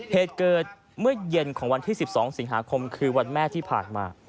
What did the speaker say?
เหตุเกิดเมื่อเย็นของวันที่๑๒สิงหาคมคือวันแม่ที่ผ่านมา